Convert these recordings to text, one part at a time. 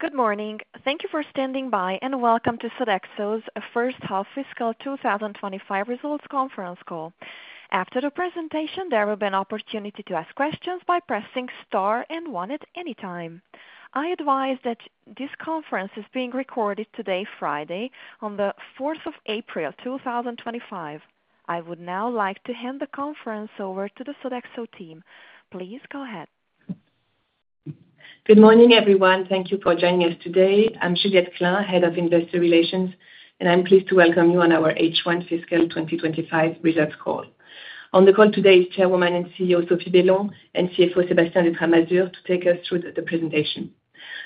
Good morning. Thank you for standing by and welcome to Sodexo's First Half-Fiscal 2025 Results Conference Call. After the presentation, there will be an opportunity to ask questions by pressing star and one at any time. I advise that this conference is being recorded today, Friday, on the 4th of April 2025. I would now like to hand the conference over to the Sodexo team. Please go ahead. Good morning, everyone. Thank you for joining us today. I'm Juliette Klein, Head of Investor Relations, and I'm pleased to welcome you on our H1 fiscal 2025 results call. On the call today is Chairwoman and CEO Sophie Bellon and CFO Sébastien de Tramasure to take us through the presentation.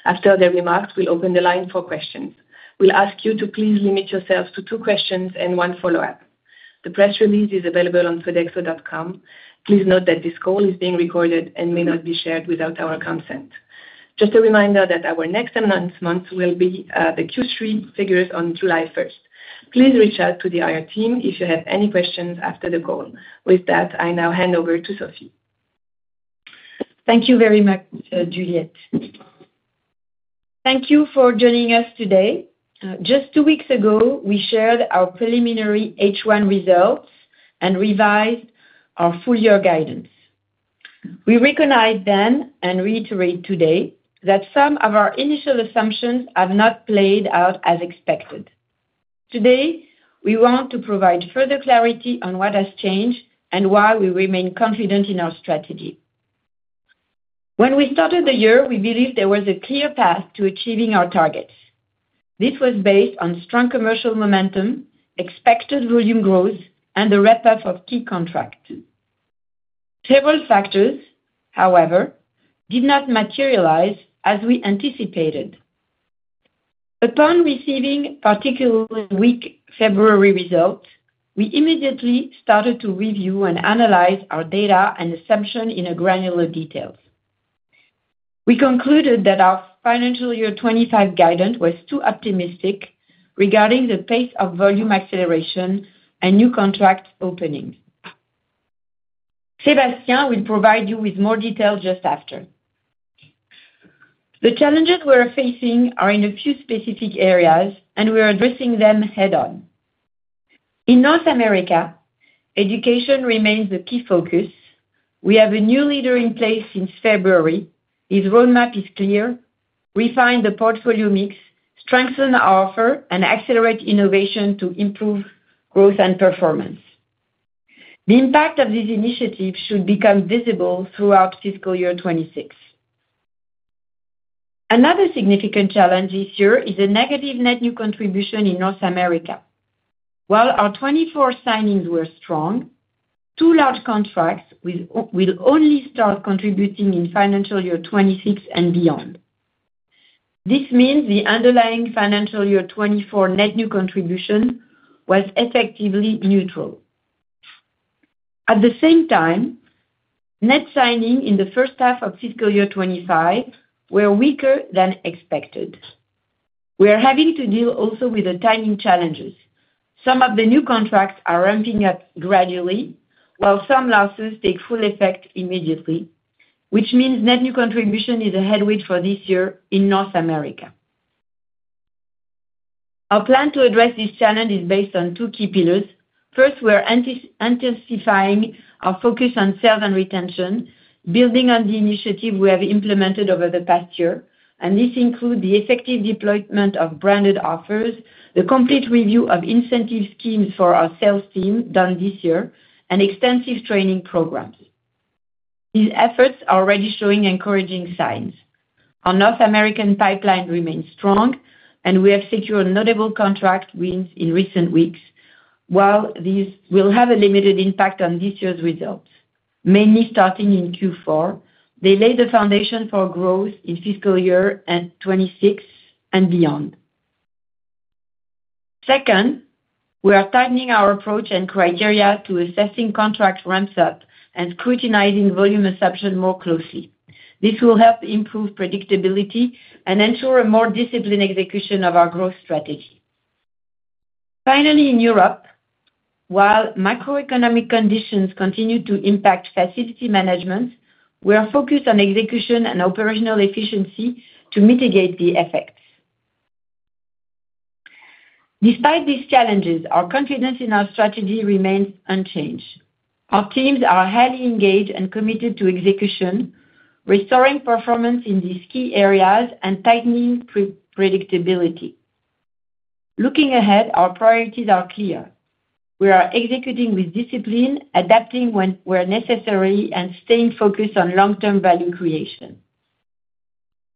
After their remarks, we'll open the line for questions. We'll ask you to please limit yourselves to two questions and one follow-up. The press release is available on sodexo.com. Please note that this call is being recorded and may not be shared without our consent. Just a reminder that our next announcements will be the Q3 figures on July 1. Please reach out to the IR team if you have any questions after the call. With that, I now hand over to Sophie. Thank you very much, Juliette. Thank you for joining us today. Just two weeks ago, we shared our preliminary H1 results and revised our full-year guidance. We recognize then and reiterate today that some of our initial assumptions have not played out as expected. Today, we want to provide further clarity on what has changed and why we remain confident in our strategy. When we started the year, we believed there was a clear path to achieving our targets. This was based on strong commercial momentum, expected volume growth, and the wrap-up of key contracts. Several factors, however, did not materialize as we anticipated. Upon receiving particularly weak February results, we immediately started to review and analyze our data and assumptions in granular detail. We concluded that our financial year 2025 guidance was too optimistic regarding the pace of volume acceleration and new contract openings. Sébastien will provide you with more detail just after. The challenges we are facing are in a few specific areas, and we are addressing them head-on. In North America, education remains the key focus. We have a new leader in place since February. His roadmap is clear. We find the portfolio mix, strengthen our offer, and accelerate innovation to improve growth and performance. The impact of this initiative should become visible throughout fiscal year 2026. Another significant challenge this year is a negative net new contribution in North America. While our 2024 signings were strong, two large contracts will only start contributing in financial year 2026 and beyond. This means the underlying financial year 2024 net new contribution was effectively neutral. At the same time, net signings in the first half of fiscal year 2025 were weaker than expected. We are having to deal also with the timing challenges. Some of the new contracts are ramping up gradually, while some losses take full effect immediately, which means net new contribution is a headwind for this year in North America. Our plan to address this challenge is based on two key pillars. First, we are intensifying our focus on sales and retention, building on the initiative we have implemented over the past year, and this includes the effective deployment of branded offers, the complete review of incentive schemes for our sales team done this year, and extensive training programs. These efforts are already showing encouraging signs. Our North American pipeline remains strong, and we have secured notable contract wins in recent weeks, while these will have a limited impact on this year's results, mainly starting in Q4. They lay the foundation for growth in fiscal year 2026 and beyond. Second, we are tightening our approach and criteria to assessing contract ramp-up and scrutinizing volume assumptions more closely. This will help improve predictability and ensure a more disciplined execution of our growth strategy. Finally, in Europe, while macroeconomic conditions continue to impact facility management, we are focused on execution and operational efficiency to mitigate the effects. Despite these challenges, our confidence in our strategy remains unchanged. Our teams are highly engaged and committed to execution, restoring performance in these key areas and tightening predictability. Looking ahead, our priorities are clear. We are executing with discipline, adapting when necessary, and staying focused on long-term value creation.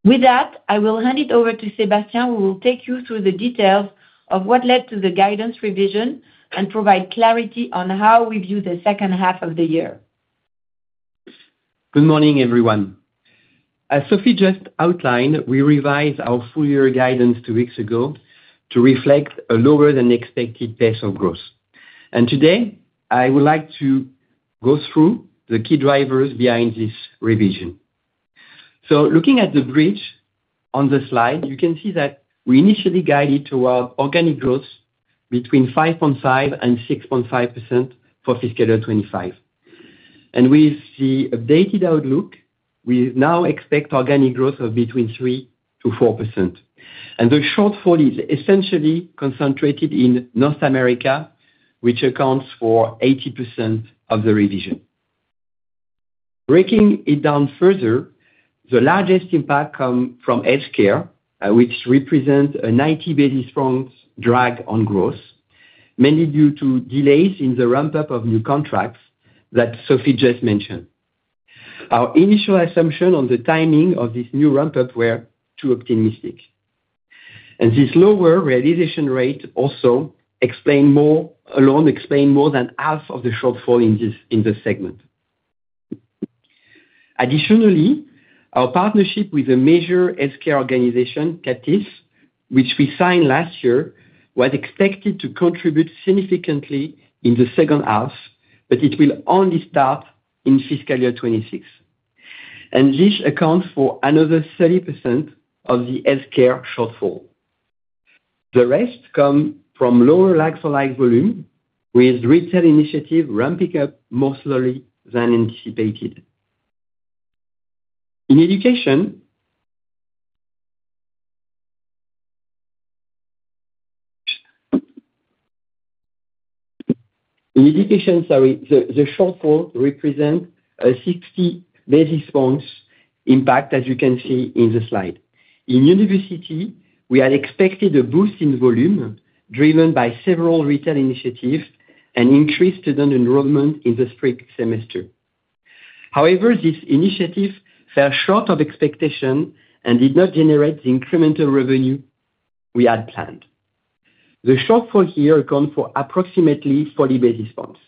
With that, I will hand it over to Sébastien, who will take you through the details of what led to the guidance revision and provide clarity on how we view the second half of the year. Good morning, everyone. As Sophie just outlined, we revised our full-year guidance two weeks ago to reflect a lower-than-expected pace of growth. Today, I would like to go through the key drivers behind this revision. Looking at the bridge on the slide, you can see that we initially guided toward organic growth between 5.5% and 6.5% for fiscal year 2025. With the updated outlook, we now expect organic growth of between 3% - 4%. The shortfall is essentially concentrated in North America, which accounts for 80% of the revision. Breaking it down further, the largest impact comes from healthcare, which represents a 90 basis point drag on growth, mainly due to delays in the ramp-up of new contracts that Sophie just mentioned. Our initial assumption on the timing of this new ramp-up was too optimistic. This lower realization rate also explains more than half of the shortfall in the segment. Additionally, our partnership with a major healthcare organization, Captis, which we signed last year, was expected to contribute significantly in the second half, but it will only start in fiscal year 2026. This accounts for another 30% of the healthcare shortfall. The rest comes from lower like-for-like volume, with retail initiatives ramping up more slowly than anticipated. In education, the shortfall represents a 60 basis point impact, as you can see in the slide. In university, we had expected a boost in volume driven by several retail initiatives and increased student enrollment in the spring semester. However, this initiative fell short of expectations and did not generate the incremental revenue we had planned. The shortfall here accounts for approximately 40 basis points.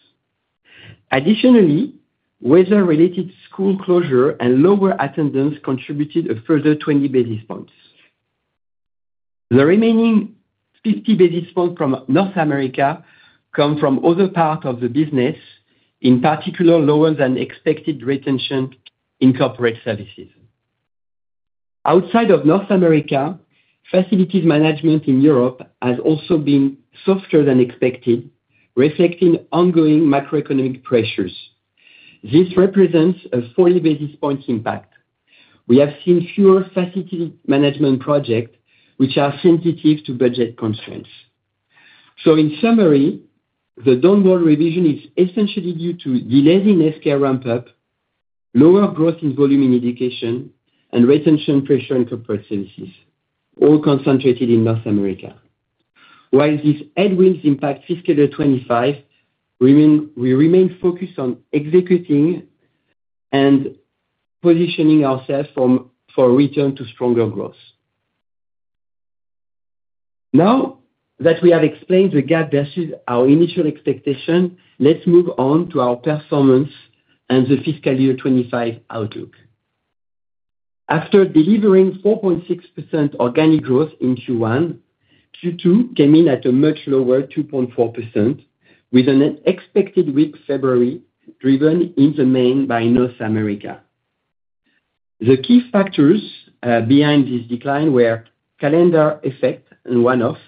Additionally, weather-related school closures and lower attendance contributed a further 20 basis points. The remaining 50 basis points from North America come from other parts of the business, in particular, lower than expected retention in corporate services. Outside of North America, facilities management in Europe has also been softer than expected, reflecting ongoing macroeconomic pressures. This represents a 40 basis point impact. We have seen fewer facility management projects which are sensitive to budget constraints. In summary, the downward revision is essentially due to delays in healthcare ramp-up, lower growth in volume in education, and retention pressure in corporate services, all concentrated in North America. While these headwinds impact fiscal year 2025, we remain focused on executing and positioning ourselves for return to stronger growth. Now that we have explained the gap versus our initial expectation, let's move on to our performance and the fiscal year 2025 outlook. After delivering 4.6% organic growth in Q1, Q2 came in at a much lower 2.4%, with unexpected weak February driven in the main by North America. The key factors behind this decline were calendar effect and one-off,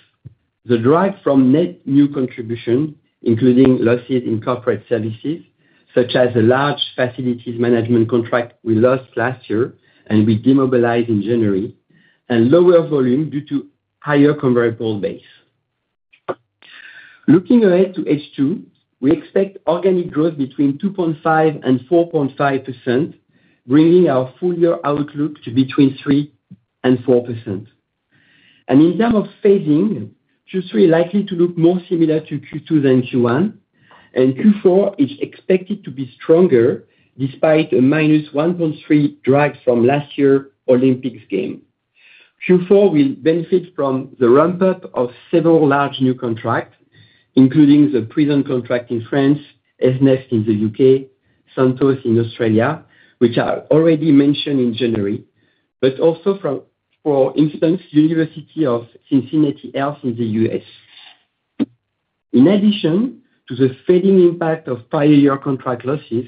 the drag from net new contribution, including losses in corporate services such as a large facilities management contract we lost last year and we demobilized in January, and lower volume due to higher convertible base. Looking ahead to H2, we expect organic growth between 2.5% and 4.5%, bringing our full-year outlook to between 3% and 4%. In terms of phasing, Q3 is likely to look more similar to Q2 than Q1, and Q4 is expected to be stronger despite a -1.3% drag from last year's Olympics game. Q4 will benefit from the ramp-up of several Large New Contracts, including the Prison Contract in France, ES in the U.K., Santos in Australia, which I already mentioned in January, but also, for instance, University of Cincinnati Health in the U.S. In addition to the fading impact of prior year contract losses,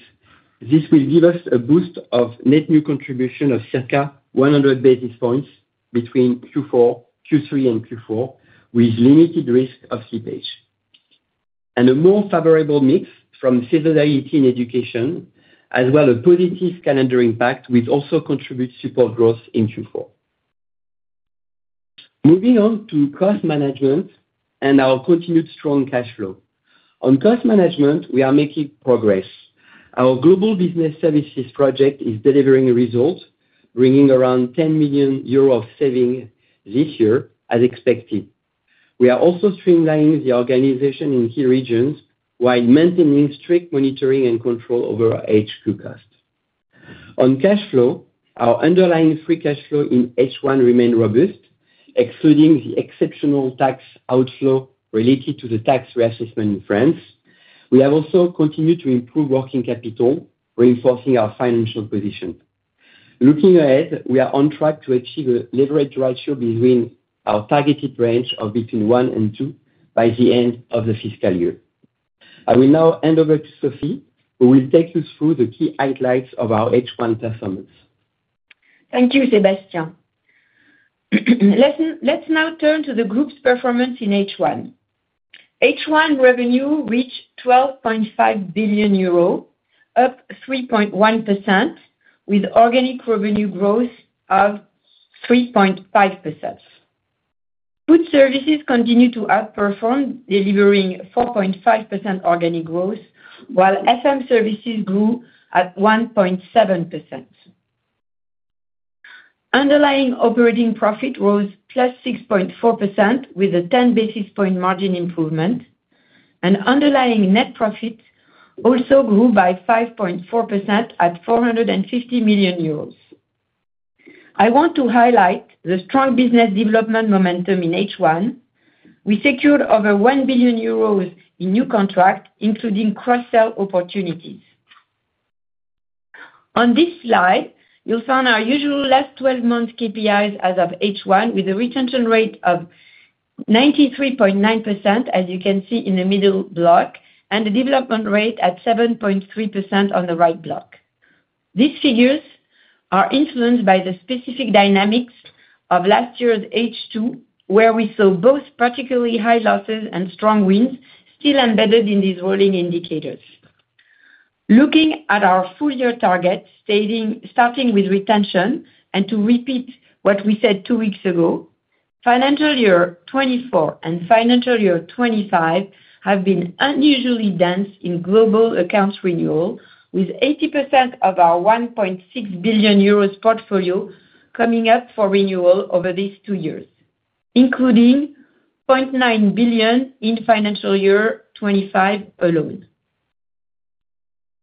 this will give us a boost of net new contribution of circa 100 basis points between Q3 and Q4, with limited risk of slippage. A more favorable mix from seasonality in education, as well as a positive calendar impact, will also contribute to support growth in Q4. Moving on to cost management and our continued strong cash flow. On cost management, we are making progress. Our global business services project is delivering results, bringing around 10 million euros of savings this year, as expected. We are also streamlining the organization in key regions while maintaining strict monitoring and control over HQ costs. On cash flow, our underlying free cash flow in H1 remains robust, excluding the exceptional tax outflow related to the tax reassessment in France. We have also continued to improve working capital, reinforcing our financial position. Looking ahead, we are on track to achieve a leverage ratio between our targeted range of 1%-2% by the end of the fiscal year. I will now hand over to Sophie, who will take you through the key highlights of our H1 performance. Thank you, Sébastien. Let's now turn to the group's performance in H1. H1 revenue reached 12.5 billion euros, up 3.1%, with organic revenue growth of 3.5%. Food services continued to outperform, delivering 4.5% organic growth, while FM services grew at 1.7%. Underlying operating profit rose +6.4%, with a 10 basis point margin improvement. Underlying net profit also grew by 5.4% at 450 million euros. I want to highlight the strong business development momentum in H1. We secured over 1 billion euros in new contracts, including cross-sell opportunities. On this slide, you'll find our usual last 12-month KPIs as of H1, with a retention rate of 93.9%, as you can see in the middle block, and a development rate at 7.3% on the right block. These figures are influenced by the specific dynamics of last year's H2, where we saw both particularly high losses and strong wins still embedded in these rolling indicators. Looking at our full-year target, starting with retention and to repeat what we said two weeks ago, financial year 2024 and financial year 2025 have been unusually dense in global accounts renewal, with 80% of our 1.6 billion euros portfolio coming up for renewal over these two years, including 0.9 billion in financial year 2025 alone.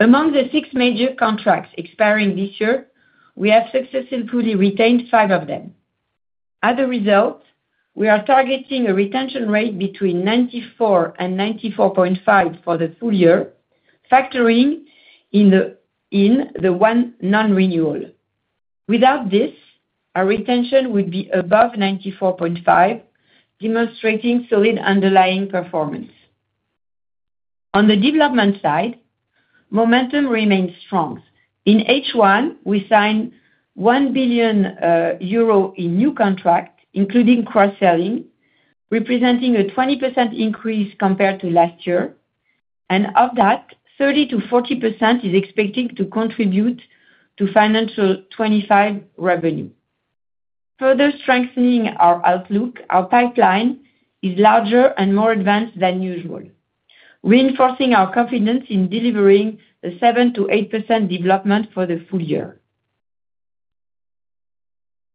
Among the six major contracts expiring this year, we have successfully retained five of them. As a result, we are targeting a retention rate between 94%-94.5% for the full year, factoring in the one non-renewal. Without this, our retention would be above 94.5%, demonstrating solid underlying performance. On the development side, momentum remains strong. In H1, we signed 1 billion euro in new contracts, including cross-selling, representing a 20% increase compared to last year. Of that, 30%-40% is expected to contribute to financial year 2025 revenue. Further strengthening our outlook, our pipeline is larger and more advanced than usual, reinforcing our confidence in delivering a 7%-8% development for the full year.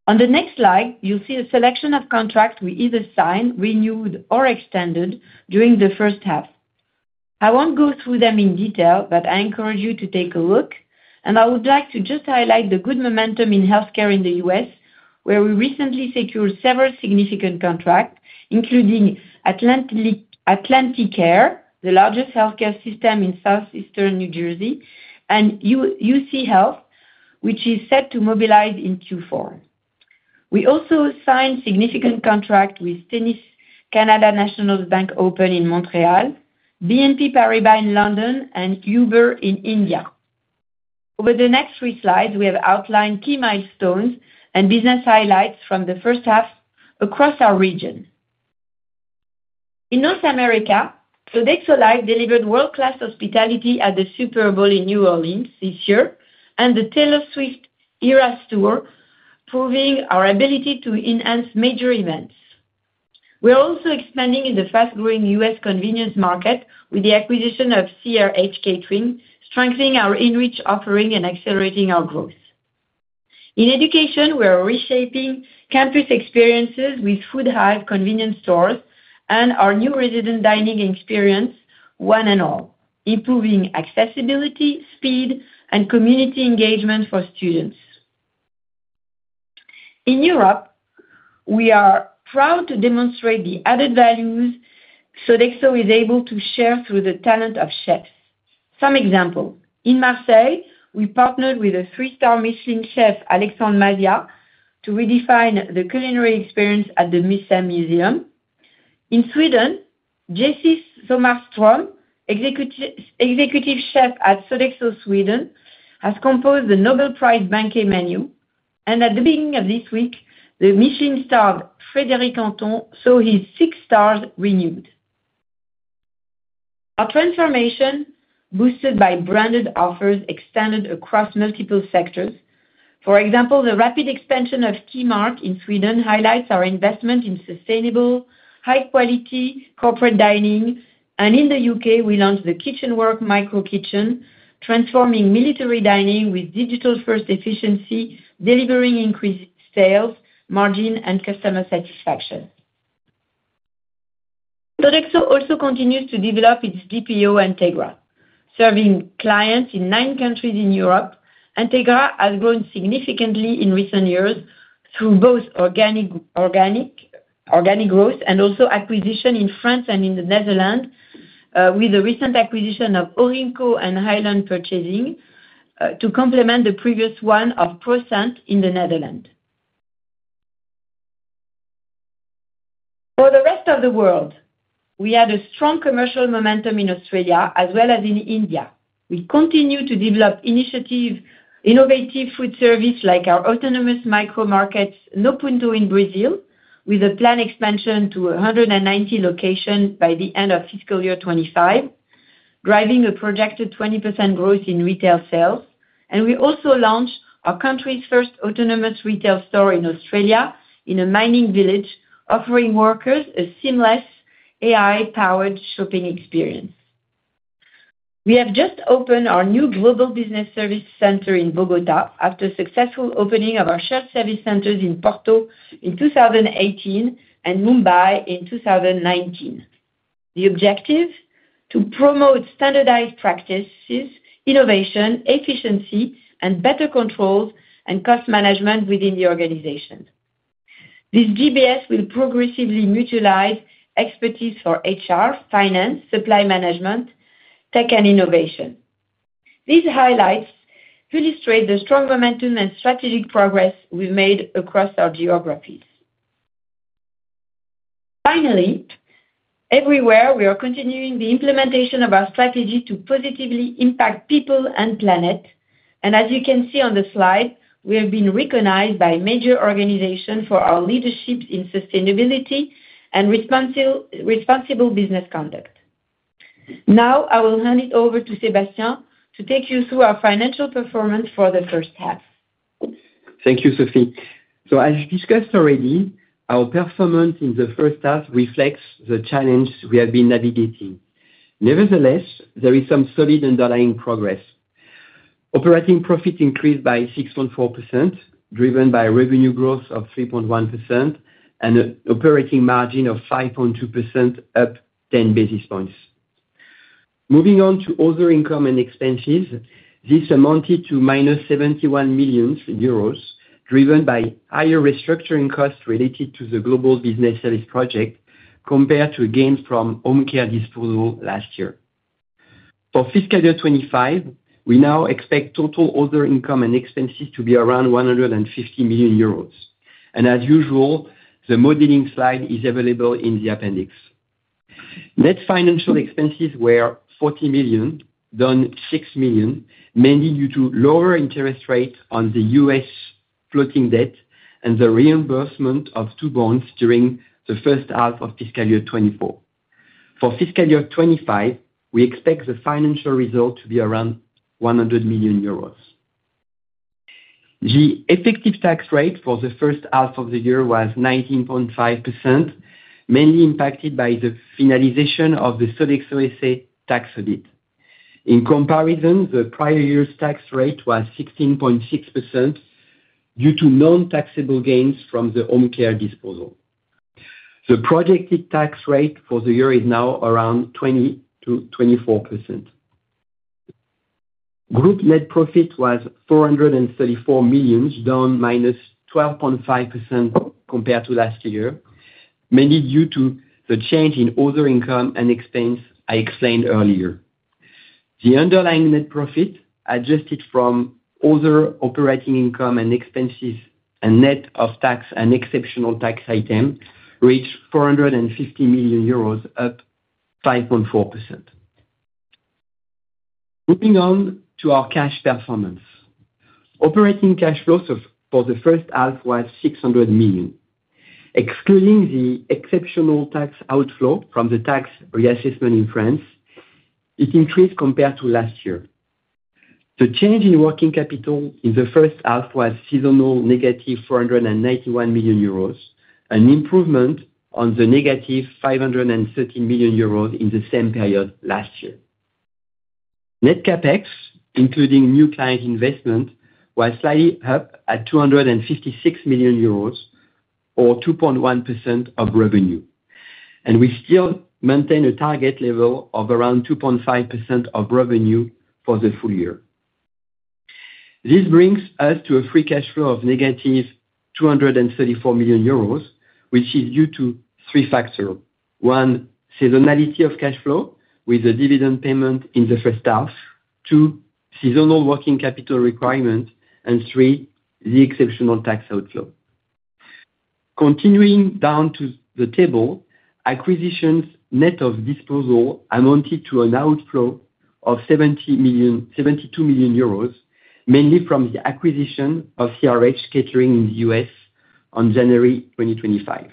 On the next slide, you'll see a selection of contracts we either signed, renewed, or extended during the first half. I won't go through them in detail, but I encourage you to take a look. I would like to just highlight the good momentum in healthcare in the U.S., where we recently secured several significant contracts, including AtlanticCare, the largest healthcare system in southeastern New Jersey, and UC Health, which is set to mobilize in Q4. We also signed significant contracts with Tennis Canada National Bank Open in Montreal, BNP Paribas in London, and Uber in India. Over the next three slides, we have outlined key milestones and business highlights from the first half across our region. In North America, Sodexo Live! delivered world-class hospitality at the Super Bowl in New Orleans this year and the Taylor Swift Eras Tour, proving our ability to enhance major events. We are also expanding in the fast-growing U.S. convenience market with the acquisition of CRH Catering, strengthening our in-reach offering and accelerating our growth. In education, we are reshaping campus experiences with Food Hive convenience stores and our new resident dining experience, One & All, improving accessibility, speed, and community engagement for students. In Europe, we are proud to demonstrate the added values Sodexo is able to share through the talent of chefs. Some examples: in Marseille, we partnered with a three-star Michelin Chef, Alexandre Mazzia, to redefine the culinary experience at the MuCEM Museum. In Sweden, Jessie Sommarström, Executive Chef at Sodexo Sweden, has composed the Nobel Prize banquet menu. At the beginning of this week, the Michelin-starred Frédéric Anton saw his six stars renewed. Our transformation, boosted by branded offers, extended across multiple sectors. For example, the rapid expansion of Key Mark in Sweden highlights our investment in sustainable, high-quality corporate dining. In the U.K., we launched the KitchenWork Micro-Kitchen, transforming military dining with digital-first efficiency, delivering increased sales, margin, and customer satisfaction. Sodexo also continues to develop its DPO, Entegra, serving clients in nine countries in Europe. Entegra has grown significantly in recent years through both organic growth and also acquisition in France and in the Netherlands, with the recent acquisition of Horinko and Highland Purchasing to complement the previous one of Procent in the Netherlands. For the rest of the world, we had a strong commercial momentum in Australia as well as in India. We continue to develop innovative food services like our autonomous micro-markets, Muffato in Brazil, with a planned expansion to 190 locations by the end of fiscal year 2025, driving a projected 20% growth in retail sales. We also launched our country's first autonomous retail store in Australia in a mining village, offering workers a seamless AI-powered shopping experience. We have just opened our new global business service center in Bogota after the successful opening of our shared service centers in Porto in 2018 and Mumbai in 2019. The objective is to promote standardized practices, innovation, efficiency, and better controls and cost management within the organization. This GBS will progressively utilize expertise for HR, finance, supply management, tech, and innovation. These highlights illustrate the strong momentum and strategic progress we have made across our geographies. Finally, everywhere, we are continuing the implementation of our strategy to positively impact people and planet. As you can see on the slide, we have been recognized by major organizations for our leadership in sustainability and responsible business conduct. Now, I will hand it over to Sébastien to take you through our financial performance for the first half. Thank you, Sophie. As discussed already, our performance in the first half reflects the challenges we have been navigating. Nevertheless, there is some solid underlying progress. Operating profit increased by 6.4%, driven by revenue growth of 3.1% and an operating margin of 5.2%, up 10 basis points. Moving on to other income and expenses, this amounted to -71 million euros, driven by higher restructuring costs related to the global business service project compared to gains from home care disposal last year. For fiscal year 2025, we now expect total other income and expenses to be around 150 million euros. As usual, the modeling slide is available in the appendix. Net financial expenses were 40 million, down 6 million, mainly due to lower interest rates on the U.S. floating debt and the reimbursement of two bonds during the first half of fiscal year 2024. For fiscal year 2025, we expect the financial result to be around 100 million euros. The effective tax rate for the first half of the year was 19.5%, mainly impacted by the finalization of the Sodexo Asset Tax Audit. In comparison, the prior year's tax rate was 16.6% due to non-taxable gains from the home care disposal. The projected tax rate for the year is now around 20%-24%. Group net profit was 434 million, down -12.5% compared to last year, mainly due to the change in other income and expense I explained earlier. The underlying net profit, adjusted from other operating income and expenses and net of tax and exceptional tax items, reached 450 million euros, up 5.4%. Moving on to our cash performance. Operating cash flows for the first half were 600 million. Excluding the exceptional tax outflow from the tax reassessment in France, it increased compared to last year. The change in working capital in the first half was seasonal -491 million euros, an improvement on the -513 million euros in the same period last year. Net CapEx, including new client investment, was slightly up at 256 million euros, or 2.1% of revenue. We still maintain a target level of around 2.5% of revenue for the full year. This brings us to a free cash flow of -234 million euros, which is due to three factors: one, seasonality of cash flow with a dividend payment in the first half; two, seasonal working capital requirement; and three, the exceptional tax outflow. Continuing down to the table, acquisitions net of disposal amounted to an outflow of 72 million euros, mainly from the acquisition of CRH Catering in the U.S. on January 2025.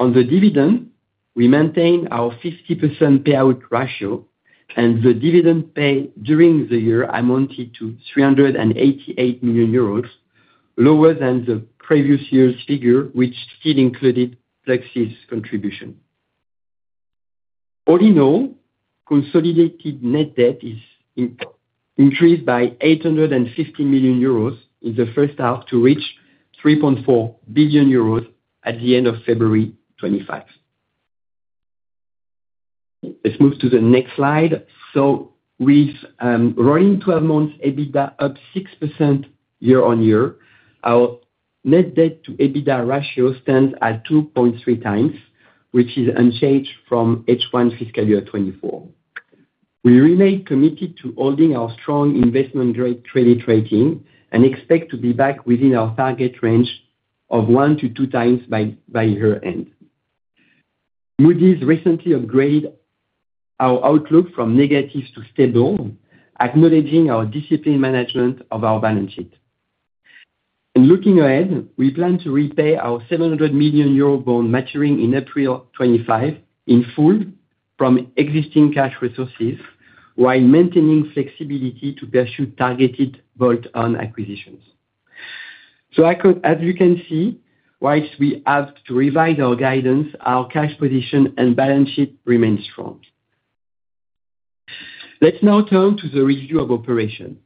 On the dividend, we maintain our 50% payout ratio, and the dividend paid during the year amounted to 388 million euros, lower than the previous year's figure, which still included Pluxee's contribution. All in all, consolidated net debt is increased by 850 million euros in the first half to reach 3.4 billion euros at the end of February 2025. Let's move to the next slide. With rolling 12-month EBITDA up 6% year-on-year, our net debt to EBITDA ratio stands at 2.3x, which is unchanged from H1 fiscal year 2024. We remain committed to holding our strong investment-grade credit rating and expect to be back within our target range of 1x to 2x by year-end. Moody's recently upgraded our outlook from negative to stable, acknowledging our disciplined management of our balance sheet. Looking ahead, we plan to repay our 700 million euro bond maturing in April 2025 in full from existing cash resources while maintaining flexibility to pursue targeted bolt-on acquisitions. As you can see, whilst we have to revise our guidance, our cash position and balance sheet remain strong. Let's now turn to the review of operations.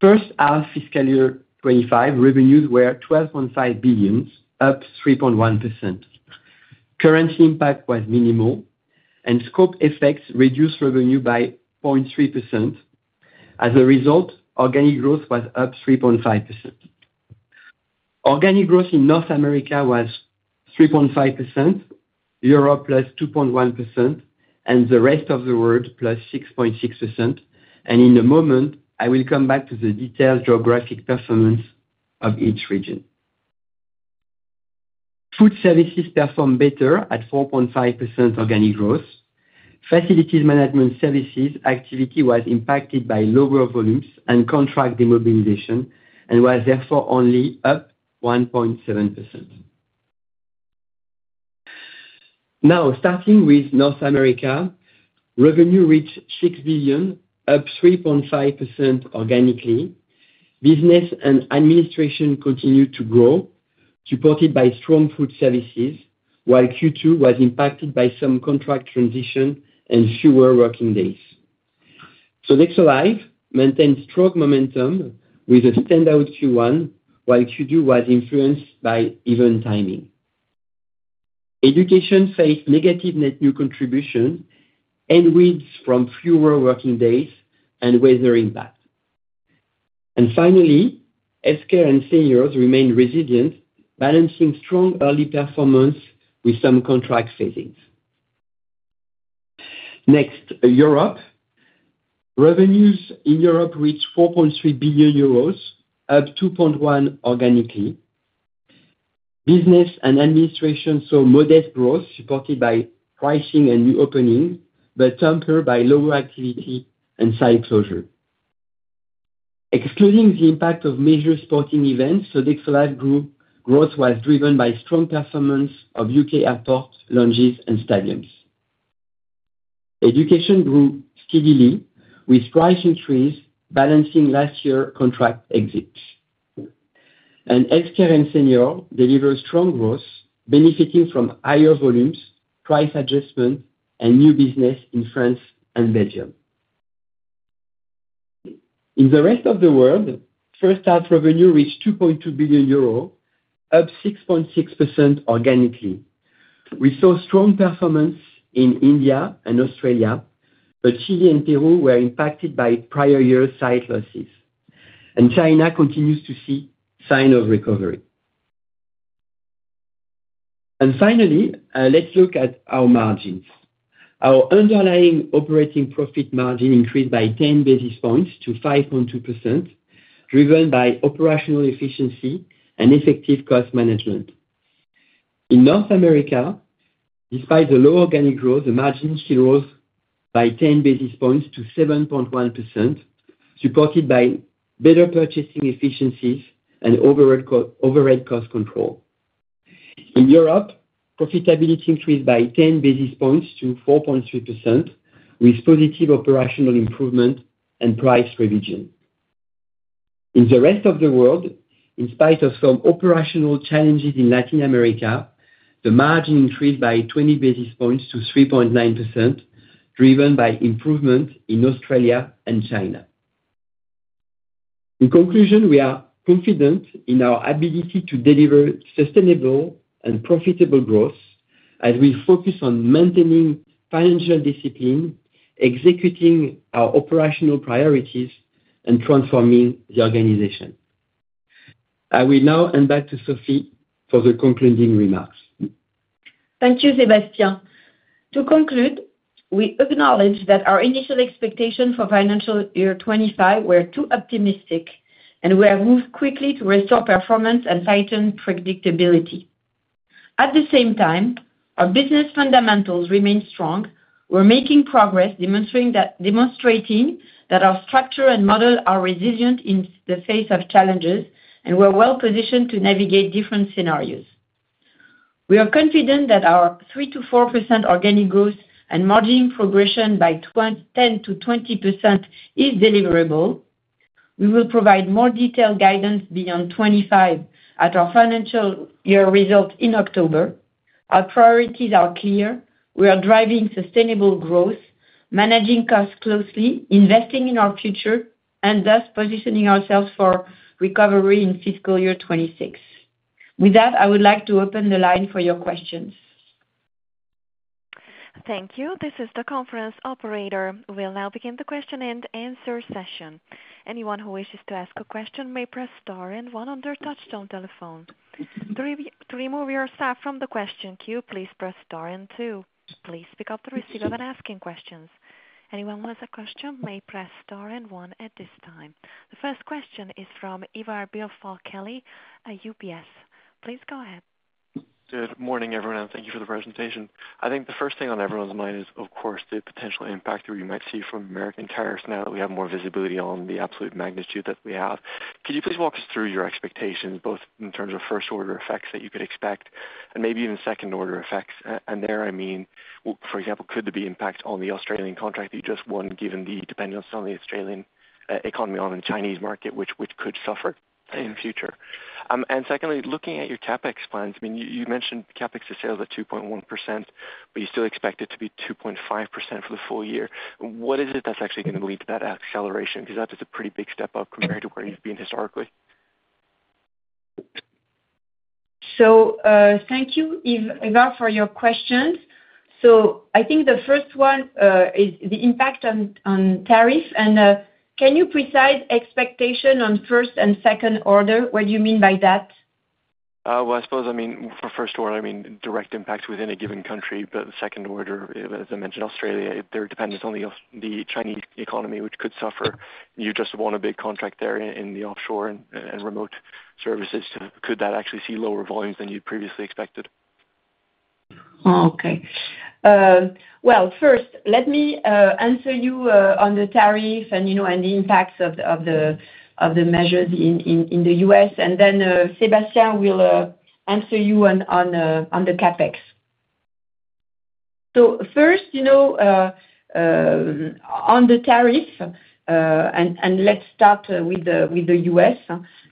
First half fiscal year 2025, revenues were 12.5 billion, up 3.1%. Currency impact was minimal, and scope effects reduced revenue by 0.3%. As a result, organic growth was up 3.5%. Organic growth in North America was 3.5%, Europe +2.1%, and the rest of the world +6.6%. In a moment, I will come back to the detailed geographic performance of each region. Food services performed better at 4.5% organic growth. Facilities management services activity was impacted by lower volumes and contract immobilization and was therefore only up 1.7%. Now, starting with North America, revenue reached 6 billion, up 3.5% organically. Business and administration continued to grow, supported by strong food services, while Q2 was impacted by some contract transitions and fewer working days. Sodexo Live! maintained strong momentum with a standout Q1, while Q2 was influenced by event timing. Education faced negative net new contributions, and with fewer working days and weather impact. Finally, healthcare and seniors remained resilient, balancing strong early performance with some contract savings. Next, Europe. Revenues in Europe reached 4.3 billion euros, up 2.1% organically. Business and administration saw modest growth supported by pricing and new openings, but tempered by lower activity and site closure. Excluding the impact of major sporting events, Sodexo Live! growth was driven by strong performance of U.K. airports, lodges, and stadiums. Education grew steadily with price increase, balancing last year's contract exits. Healthcare and seniors deliver strong growth, benefiting from higher volumes, price adjustments, and new business in France and Belgium. In the rest of the world, first half revenue reached 2.2 billion euros, up 6.6% organically. We saw strong performance in India and Australia, but Chile and Peru were impacted by prior year's side losses. China continues to see signs of recovery. Finally, let's look at our margins. Our underlying operating profit margin increased by 10 basis points to 5.2%, driven by operational efficiency and effective cost management. In North America, despite the low organic growth, the margin still rose by 10 basis points to 7.1%, supported by better purchasing efficiencies and overhead cost control. In Europe, profitability increased by 10 basis points to 4.3%, with positive operational improvement and price revision. In the rest of the world, inspite of some operational challenges in Latin America, the margin increased by 20 basis points to 3.9%, driven by improvement in Australia and China. In conclusion, we are confident in our ability to deliver sustainable and profitable growth as we focus on maintaining financial discipline, executing our operational priorities, and transforming the organization. I will now hand back to Sophie for the concluding remarks. Thank you, Sébastien. To conclude, we acknowledge that our initial expectations for financial year 2025 were too optimistic, and we have moved quickly to restore performance and tighten predictability. At the same time, our business fundamentals remain strong. We're making progress, demonstrating that our structure and model are resilient in the face of challenges, and we're well-positioned to navigate different scenarios. We are confident that our 3%-4% organic growth and margin progression by 10%-20% is deliverable. We will provide more detailed guidance beyond 2025 at our financial year result in October. Our priorities are clear. We are driving sustainable growth, managing costs closely, investing in our future, and thus positioning ourselves for recovery in fiscal year 2026. With that, I would like to open the line for your questions. Thank you. This is the conference operator. We'll now begin the question and answer session. Anyone who wishes to ask a question may press star and one on their touch-tone telephone. To remove yourself from the question queue, please press star and two. Please pick up the receiver when asking questions. Anyone who has a question may press star and one at this time. The first question is from Ivar Billfalk-Kelly at UBS. Please go ahead. Good morning, everyone, and thank you for the presentation. I think the first thing on everyone's mind is, of course, the potential impact that we might see from American cars now that we have more visibility on the absolute magnitude that we have. Could you please walk us through your expectations, both in terms of first-order effects that you could expect and maybe even second-order effects? There, I mean, for example, could there be impact on the Australian contract that you just won, given the dependence of the Australian economy on the Chinese market, which could suffer in the future? Secondly, looking at your CapEx plans, I mean, you mentioned CapEx is still at 2.1%, but you still expect it to be 2.5% for the full year. What is it that's actually going to lead to that acceleration? Because that is a pretty big step up compared to where you've been historically. Thank you, Ivar, for your questions. I think the first one is the impact on tariff. Can you precise expectation on first and second order? What do you mean by that? I suppose, I mean, for first order, I mean, direct impacts within a given country. But second order, as I mentioned, Australia, their dependence on the Chinese economy, which could suffer. You just won a big contract there in the offshore and remote services. Could that actually see lower volumes than you previously expected? Okay. Well first, let me answer you on the tariff and the impacts of the measures in the U.S. Then Sébastien will answer you on the CapEx. First, on the tariff, and let's start with the U.S.,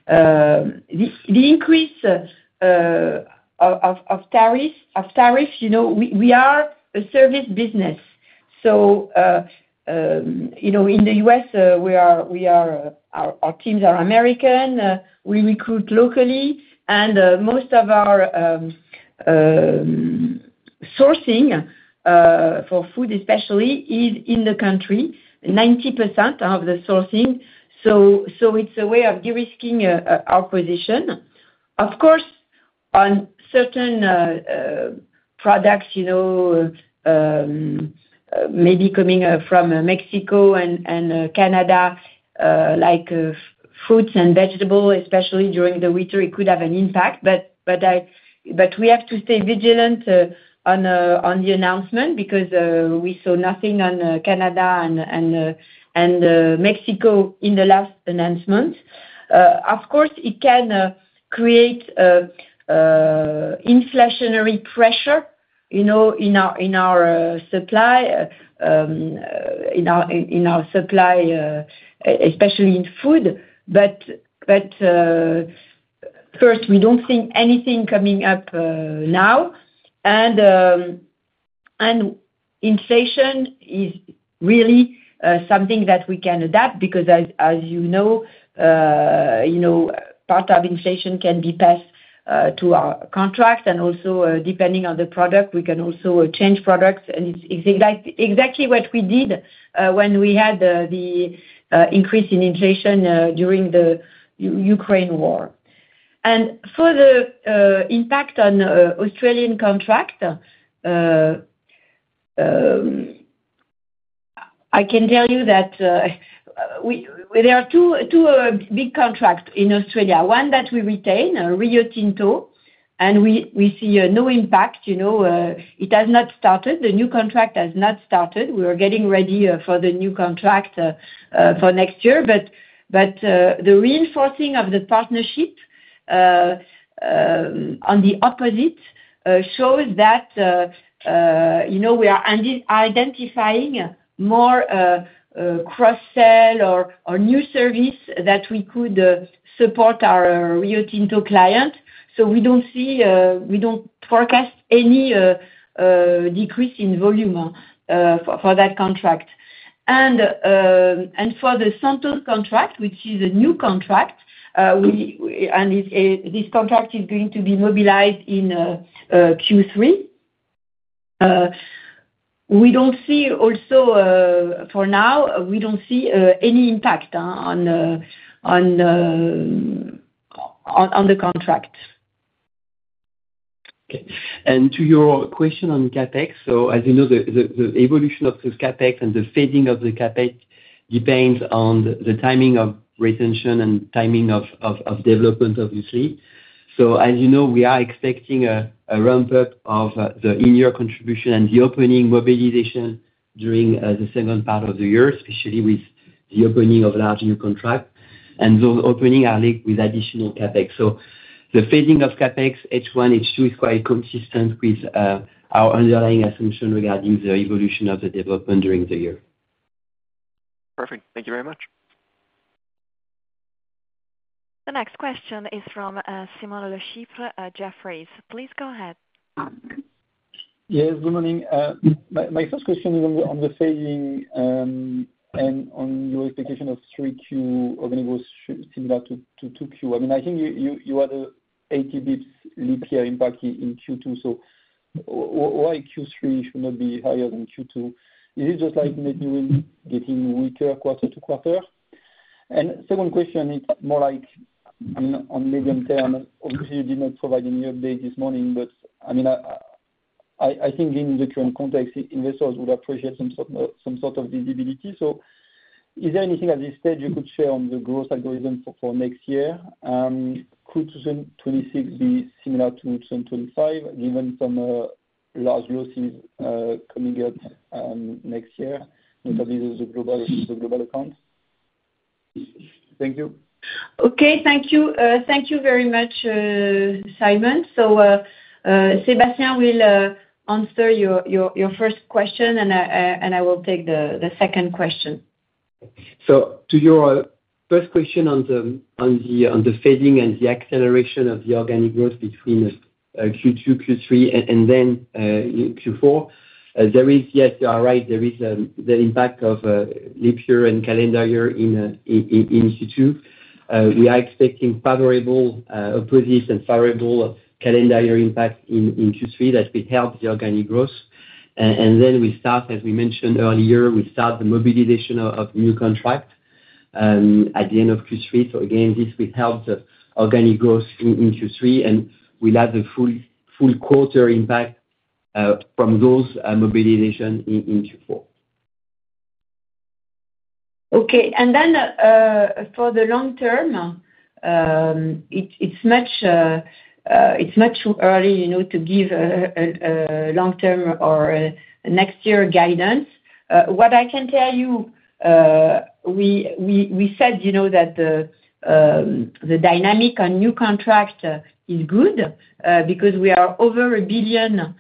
the increase of tariffs, we are a service business. In the U.S., our teams are American. We recruit locally. Most of our sourcing for food, especially, is in the country, 90% of the sourcing. It's a way of de-risking our position. Of course, on certain products, you know maybe coming from Mexico and Canada, like fruits and vegetables, especially during the winter, it could have an impact. But we have to stay vigilant on the announcement because we saw nothing on Canada and Mexico in the last announcement. Of course, it can create inflationary pressure in our supply, in our supply, especially in food. First, we do not think anything is coming up now. Inflation is really something that we can adapt to because, as you know, part of inflation can be passed to our contracts. Also, depending on the product, we can change products. It is exactly what we did when we had the increase in inflation during the Ukraine war. For the impact on Australian contracts, I can tell you that there are two big contracts in Australia. One that we retain, Rio Tinto, and we see no impact. It has not started. The new contract has not started. We are getting ready for the new contract for next year. The reinforcing of the partnership, on the opposite, shows that we are identifying more cross-sell or new service that we could support our Rio Tinto client. We do not see, we do not forecast any decrease in volume for that contract. For the Santos contract, which is a new contract, and this contract is going to be mobilized in Q3, we do not see also for now, we do not see any impact on the contract. Okay. To your question on CapEx, as you know, the evolution of CapEx and the phasing of the CapEx depends on the timing of retention and timing of development, obviously. As you know, we are expecting a ramp-up of the in-year contribution and the opening mobilization during the second part of the year, especially with the opening of large new contracts. Those openings are linked with additional CapEx. The fading of CapEx, H1, H2, is quite consistent with our underlying assumption regarding the evolution of the development during the year. Perfect. Thank you very much. The next question is from Simon Lechipre, Jefferies. Please go ahead. Yes, good morning. My first question is on the fading and on your expectation of 3Q, organic growth similar to 2Q. I mean, I think you had an 80 basis points leap year impact in Q2. So why Q3 should not be higher than Q2? Is it just like net new getting weaker quarter to quarter? And second question, it's more like on medium term. Obviously, you did not provide any update this morning, but I mean, I think in the current context, investors would appreciate some sort of visibility. So is there anything at this stage you could share on the growth algorithm for next year? Could 2026 be similar to 2025, given some large losses coming up next year, notably the global accounts? Thank you. Okay. Thank you. Thank you very much, Simon. Sébastien will answer your first question, and I will take the second question. To your first question on the fading and the acceleration of the organic growth between Q2, Q3, and then Q4, there is yes, you are right, there is the impact of leap year and calendar year in Q2. We are expecting favorable opposites and favorable calendar year impacts in Q3 that will help the organic growth. We start, as we mentioned earlier, the mobilization of new contracts at the end of Q3. This will help the organic growth in Q3, and we will have the full quarter impact from those mobilizations in Q4. Okay. For the long term, it's much too early to give long-term or next-year guidance. What I can tell you, we said that the dynamic on new contract is good because we are over $1 billion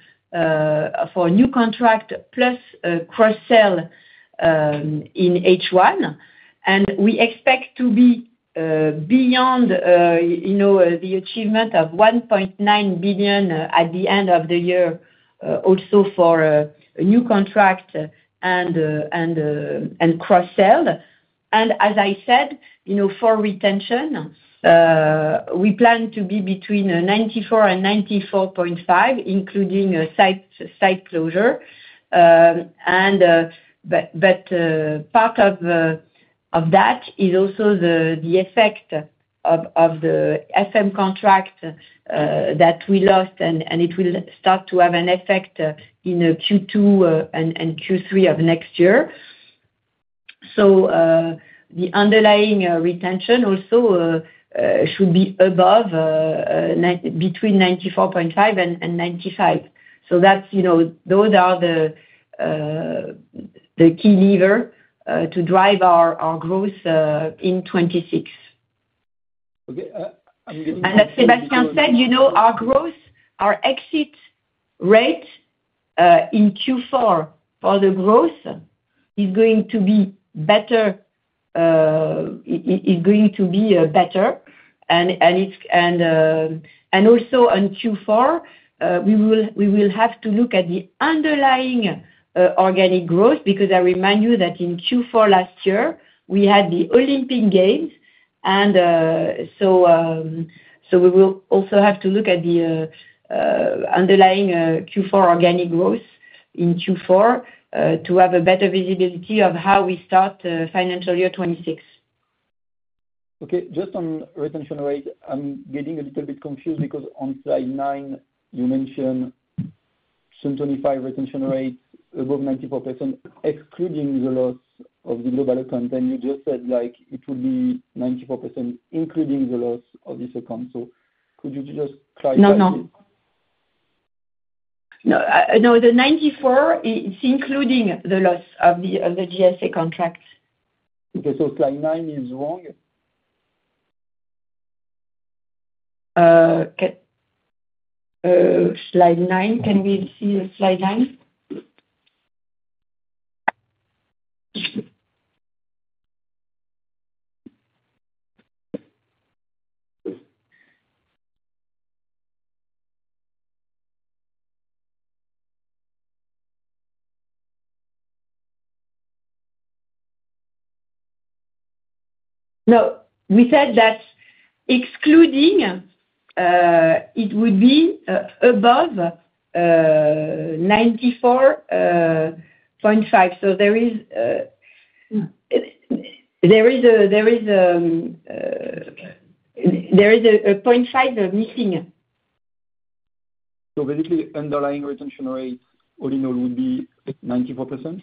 for new contract plus cross-sell in H1. We expect to be beyond the achievement of $1.9 billion at the end of the year also for new contract and cross-sell. As I said, for retention, we plan to be between 94%-94.5%, including site closure. Part of that is also the effect of the FM contract that we lost, and it will start to have an effect in Q2 and Q3 of next year. The underlying retention also should be above between 94.5%-95%. Those are the key levers to drive our growth in 2026. Okay. As Sébastien said, our growth, our exit rate in Q4 for the growth is going to be better, is going to be better. Also, on Q4, we will have to look at the underlying organic growth because I remind you that in Q4 last year, we had the Olympic Games. We will also have to look at the underlying Q4 organic growth in Q4 to have a better visibility of how we start financial year 2026. Okay. Just on retention rate, I'm getting a little bit confused because on slide 9, you mentioned 94.5% retention rate above 94%, excluding the loss of the global account. You just said it would be 94%, including the loss of this account. Could you just clarify? No, no. No, the 94%, it's including the loss of the GSA contract. Okay. Slide 9 is wrong? Okay. Slide 9. Can we see slide 9? No, we said that excluding, it would be above 94.5%. So there is a 0.5% that is missing. Basically, underlying retention rate, all in all, would be 94%?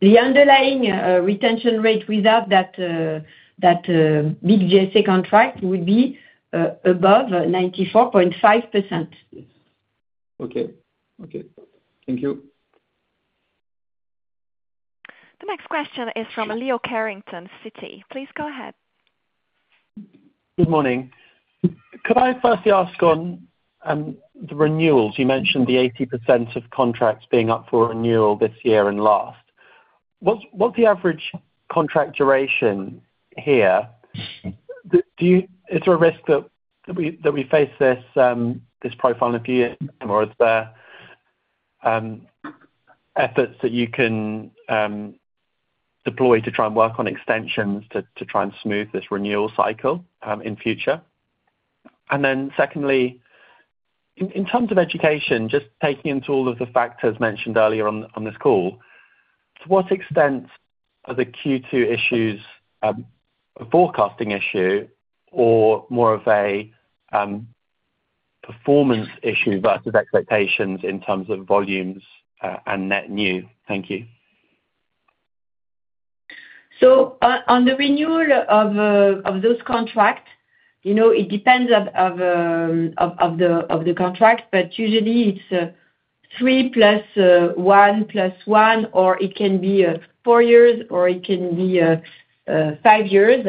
The underlying retention rate without that big GSA contract would be above 94.5%. Okay. Okay. Thank you. The next question is from Leo Carrington, Citi. Please go ahead. Good morning. Could I first ask on the renewals? You mentioned the 80% of contracts being up for renewal this year and last. What's the average contract duration here? Is there a risk that we face this profile in a few years, or are there efforts that you can deploy to try and work on extensions to try and smooth this renewal cycle in future? Secondly, in terms of education, just taking into all of the factors mentioned earlier on this call, to what extent are the Q2 issues a forecasting issue or more of a performance issue versus expectations in terms of volumes and net new? Thank you. On the renewal of those contracts, it depends on the contract, but usually, it's 3 +1, +1, or it can be 4 years, or it can be 5 years.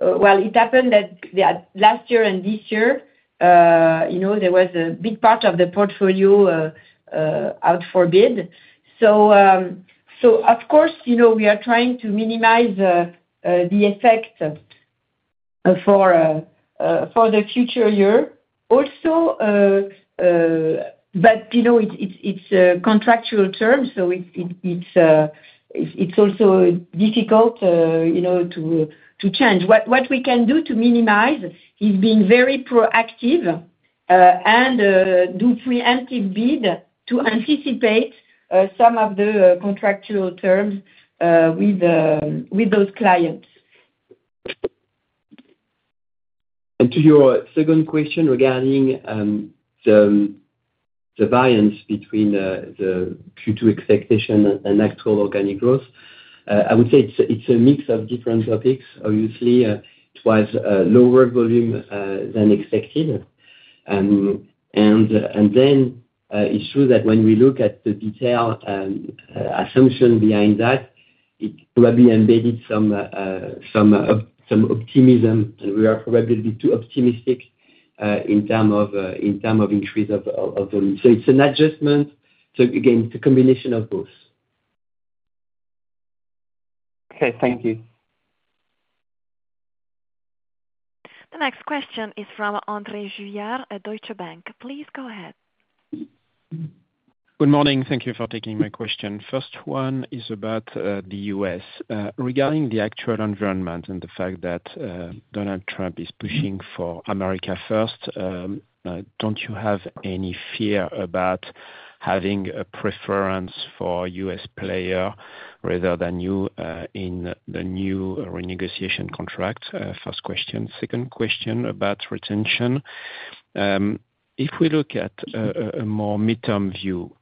It happened that last year and this year, there was a big part of the portfolio out for bid. So of course, we are trying to minimize the effect for the future year. Also, but it's a contractual term, so it's also difficult to change. What we can do to minimize is being very proactive and do preemptive bid to anticipate some of the contractual terms with those clients. To your second question regarding the variance between the Q2 expectation and actual organic growth, I would say it's a mix of different topics. Obviously, it was lower volume than expected. It is true that when we look at the detailed assumption behind that, it probably embedded some optimism, and we are probably a bit too optimistic in terms of increase of volume. It is an adjustment. Again, it's a combination of both. Okay. Thank you. The next question is from André Juillard at Deutsche Bank. Please go ahead. Good morning. Thank you for taking my question. First one is about the U.S. Regarding the actual environment and the fact that Donald Trump is pushing for America first, don't you have any fear about having a preference for a U.S. player rather than you in the new renegotiation contract? First question. Second question about retention. If we look at a more midterm view,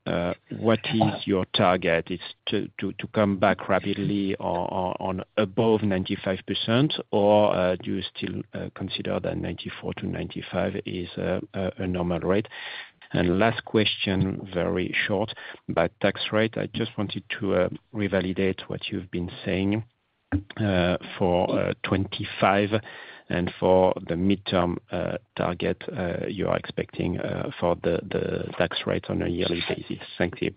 what is your target? It's to come back rapidly on above 95%, or do you still consider that 94%-95% is a normal rate? Last question, very short, about tax rate. I just wanted to revalidate what you've been saying for 2025 and for the midterm target you are expecting for the tax rate on a yearly basis. Thank you.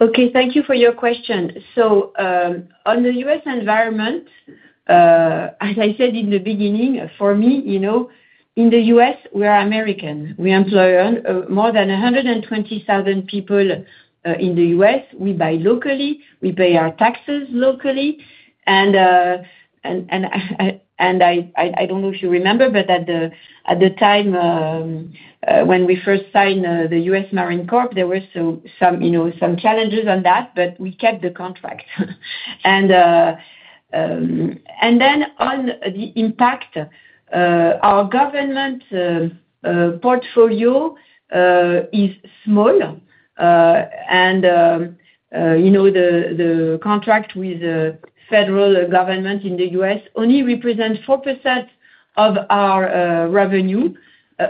Okay. Thank you for your question. On the U.S. environment, as I said in the beginning, for me, in the U.S., we are American. We employ more than 120,000 people in the U.S. We buy locally. We pay our taxes locally. I do not know if you remember, but at the time when we first signed the U.S. Marine Corps, there were some challenges on that, but we kept the contract. On the impact, our government portfolio is small, and the contract with the federal government in the U.S. only represents 4% of our revenue,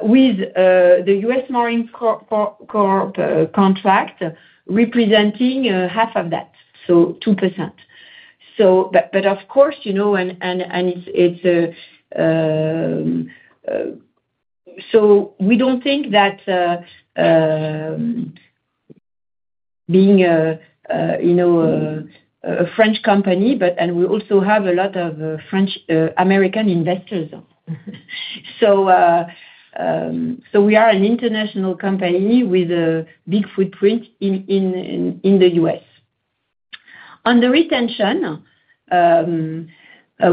with the U.S. Marine Corps contract representing half of that, so 2%. But of course, we do not think that being a French company, and we also have a lot of French American investors. We are an international company with a big footprint in the U.S. On the retention,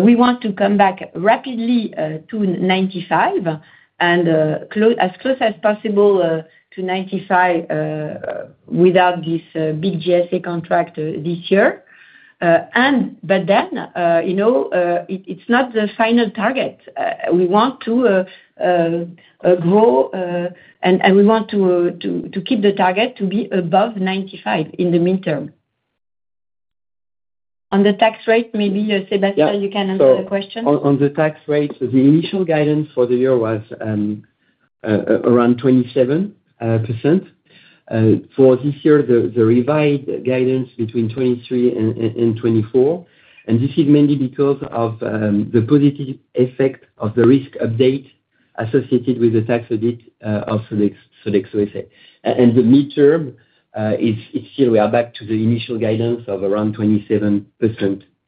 we want to come back rapidly to 95% and as close as possible to 95% without this big GSA contract this year. It is not the final target. We want to grow, and we want to keep the target to be above 95% in the midterm. On the tax rate, maybe, Sébastien, you can answer the question. On the tax rate, the initial guidance for the year was around 27%. For this year, the revised guidance is between 23%-24%. This is mainly because of the positive effect of the risk update associated with the tax audit of Sodexo U.S.A. In the midterm, we are back to the initial guidance of around 27%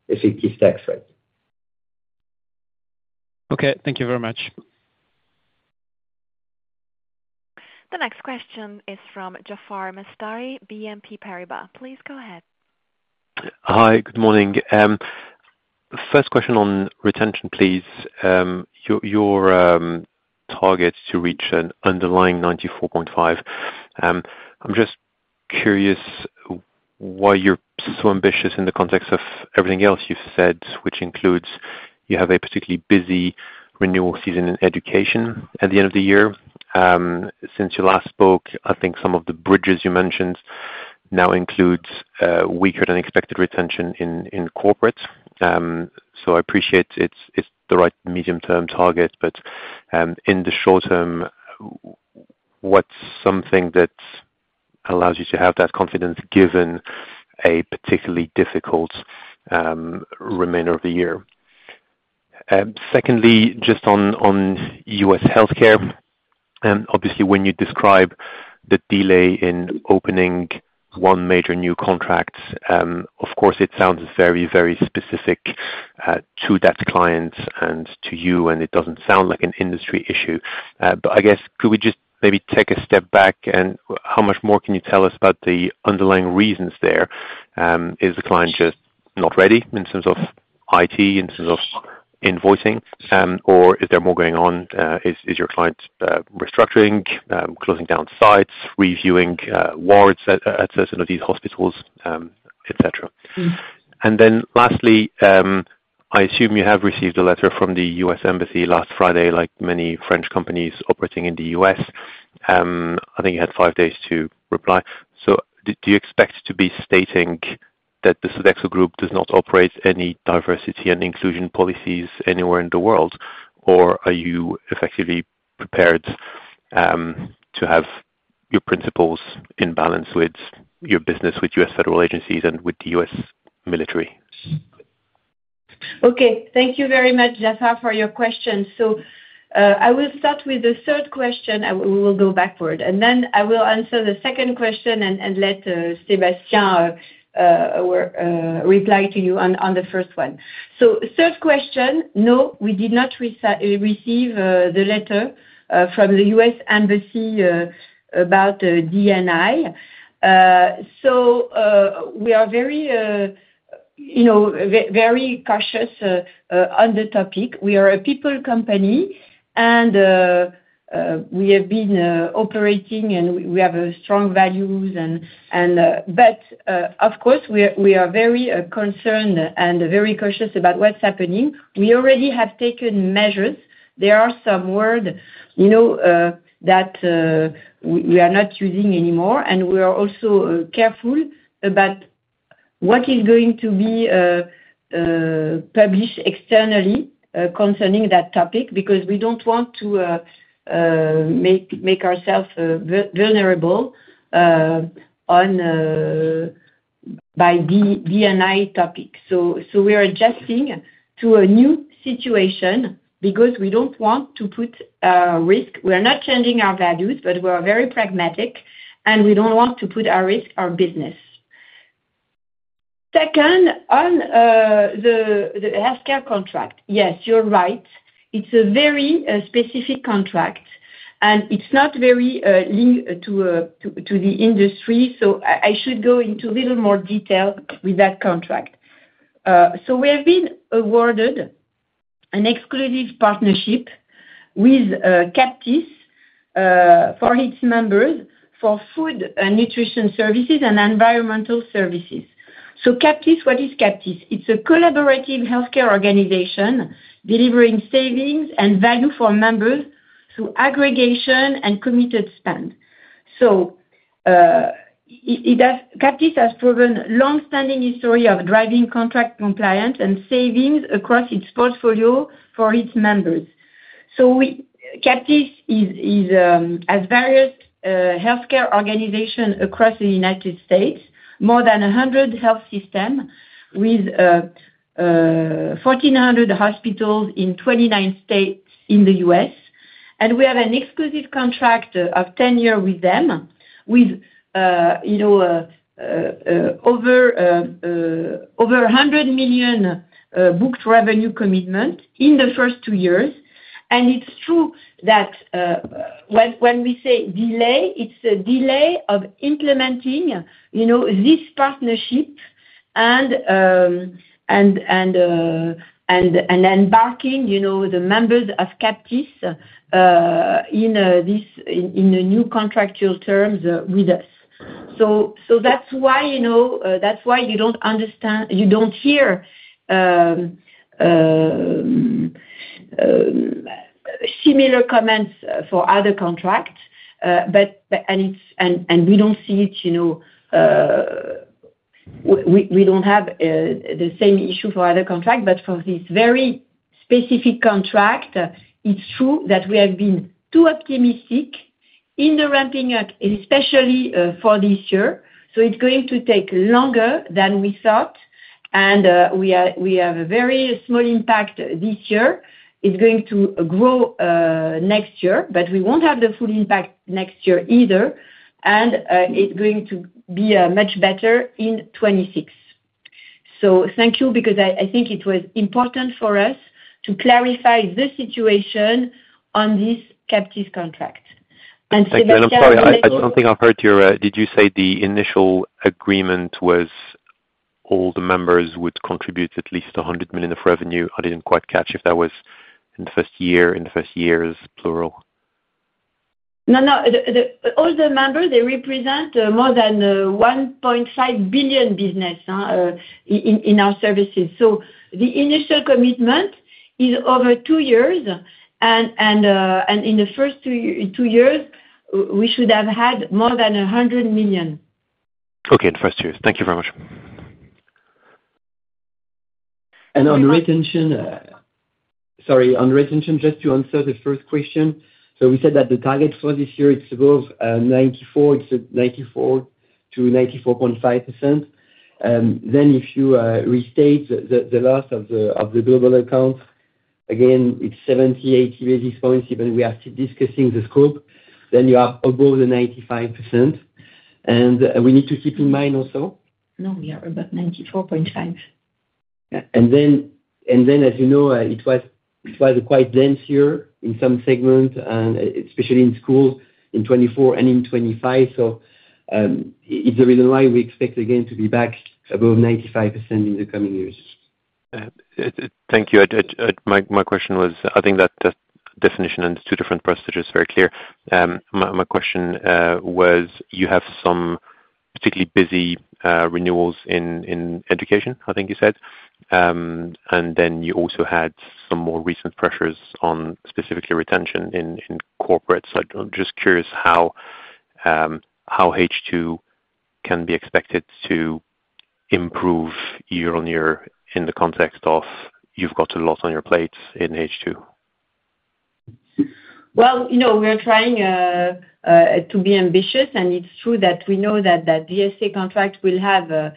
effective tax rate. Okay. Thank you very much. The next question is from Jaafar Mestari, BNP Paribas. Please go ahead. Hi. Good morning. First question on retention, please. Your target is to reach an underlying 94.5%. I'm just curious why you're so ambitious in the context of everything else you've said, which includes you have a particularly busy renewal season in education at the end of the year. Since you last spoke, I think some of the bridges you mentioned now include weaker than expected retention in corporates. I appreciate it's the right medium-term target, but in the short term, what's something that allows you to have that confidence given a particularly difficult remainder of the year? Secondly, just on U.S. healthcare, obviously, when you describe the delay in opening one major new contract, of course, it sounds very, very specific to that client and to you, and it doesn't sound like an industry issue. I guess, could we just maybe take a step back, and how much more can you tell us about the underlying reasons there? Is the client just not ready in terms of IT, in terms of invoicing, or is there more going on? Is your client restructuring, closing down sites, reviewing wards at some of these hospitals, etc.? Lastly, I assume you have received a letter from the U.S. embassy last Friday, like many French companies operating in the U.S. I think you had five days to reply. Do you expect to be stating that the Sodexo Group does not operate any diversity and inclusion policies anywhere in the world, or are you effectively prepared to have your principles in balance with your business with U.S. federal agencies and with the U.S. military? Okay. Thank you very much, Jaafar, for your question. I will start with the third question. We will go backward. I will answer the second question and let Sébastien reply to you on the first one. Third question, no, we did not receive the letter from the U.S. embassy about D&I. We are very cautious on the topic. We are a people company, and we have been operating, and we have strong values. f course, we are very concerned and very cautious about what's happening. We already have taken measures. There are some words that we are not using anymore. We are also careful about what is going to be published externally concerning that topic because we do not want to make ourselves vulnerable by D&I topic. We are adjusting to a new situation because we do not want to put risk. We are not changing our values, but we are very pragmatic, and we don't want to put at risk our business. Second, on the healthcare contract. Yes, you're right. It's a very specific contract, and it's not very linked to the industry, so I should go into a little more detail with that contract. We have been awarded an exclusive partnership with Captis for its members for food and nutrition services and environmental services. Captis, what is Captis? It's a Collaborative Healthcare Organization delivering savings and value for members through aggregation and Committed Spend. Captis has proven a long-standing history of driving contract compliance and savings across its portfolio for its members. Captis has various healthcare organizations across the United States, more than 100 health systems with 1,400 hospitals in 29 states in the U.S. We have an exclusive contract of 10 years with them with over 100 million booked revenue commitment in the first two years. It is true that when we say delay, it is a delay of implementing this partnership and embarking the members of Captis in the new contractual terms with us. That is why you do not understand, you do not hear similar comments for other contracts, and we do not see it. We do not have the same issue for other contracts, but for this very specific contract, it is true that we have been too optimistic in the ramping up, especially for this year. It is going to take longer than we thought, and we have a very small impact this year. It is going to grow next year, but we will not have the full impact next year either, and it is going to be much better in 2026. Thank you because I think it was important for us to clarify the situation on this Captis contract. And Sébastien, I think. I'm sorry. I don't think I've heard your well, did you say the initial agreement was all the members would contribute at least 100 million of revenue? I didn't quite catch if that was in the first year, in the first years, plural. No, no. All the members, they represent more than 1.5 billion business in our services. The initial commitment is over two years, and in the first two years, we should have had more than 100 million. Okay. In the first two years. Thank you very much. On retention, just to answer the first question. We said that the target for this year, it's above 94%, it's 94%-94.5%. If you restate the loss of the global account, again, it's 70-80 basis points. Even we are still discussing the scope, then you are above the 95%. We need to keep in mind also. No, we are above 94.5%. As you know, it was quite dense here in some segments, especially in schools in 2024 and in 2025. It is the reason why we expect, again, to be back above 95% in the coming years. Thank you. My question was, I think that definition and the two different procedures are very clear. My question was, you have some particularly busy renewals in education, I think you said. You also had some more recent pressures on specifically retention in corporates. I'm just curious how H2 can be expected to improve year-on-year in the context of you've got a lot on your plate in H2. We are trying to be ambitious, and it's true that we know that the GSA contract will have a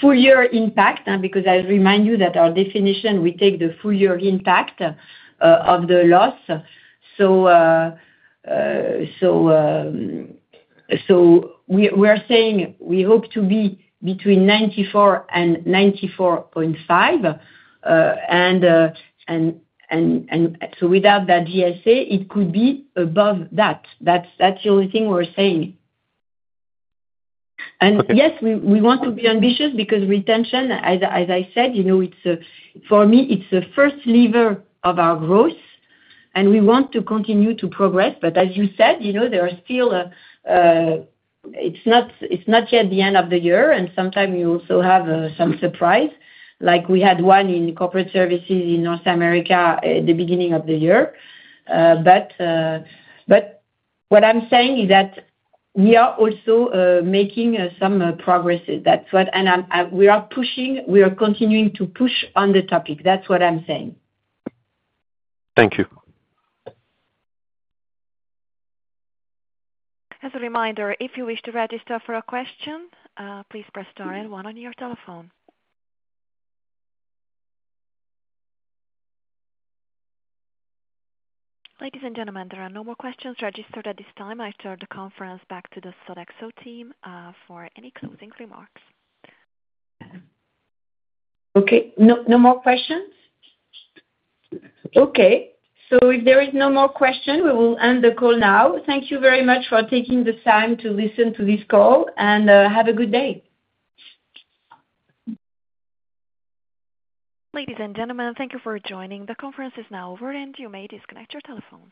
full year impact because I remind you that our definition, we take the full year impact of the loss. We are saying we hope to be between 94% and 94.5%. Without that GSA, it could be above that. That's the only thing we're saying. Yes, we want to be ambitious because retention, as I said, for me, it's the first lever of our growth, and we want to continue to progress. As you said, it's not yet the end of the year, and sometimes you also have some surprise, like we had one in corporate services in North America at the beginning of the year. What I'm saying is that we are also making some progress. We are pushing, we are continuing to push on the topic. That's what I'm saying. Thank you. As a reminder, if you wish to register for a question, please press star and one on your telephone. Ladies and gentlemen, there are no more questions registered at this time. I turn the conference back to the Sodexo team for any closing remarks. Okay. No more questions? Okay. If there is no more question, we will end the call now. Thank you very much for taking the time to listen to this call, and have a good day. Ladies and gentlemen, thank you for joining. The conference is now over, and you may disconnect your telephone.